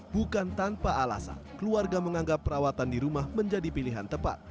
bukan tanpa alasan keluarga menganggap perawatan di rumah menjadi pilihan tepat